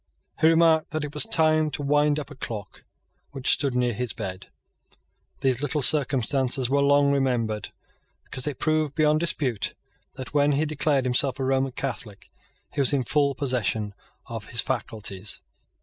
He remarked that it was time to wind up a clock which stood near his bed. These little circumstances were long remembered because they proved beyond dispute that, when he declared himself a Roman Catholic, he was in full possession of his faculties.